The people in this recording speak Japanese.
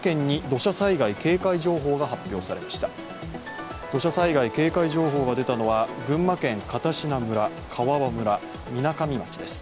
土砂災害警戒情報が出たのは群馬県片品村、川場村、みなかみ町です。